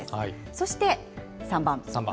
そして３番。